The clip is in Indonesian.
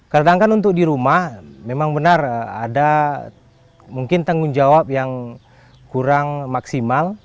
kadang kan untuk di rumah memang benar ada mungkin tanggung jawab yang kurang maksimal